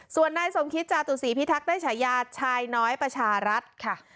ส่วนนายสมคิตจาตุศีพิทักษ์ได้ฉายาชายน้อยประชารัฐค่ะ